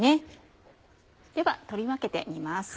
では取り分けてみます。